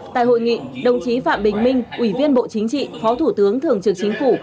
tại hội nghị đồng chí phạm bình minh ủy viên bộ chính trị phó thủ tướng thường trực chính phủ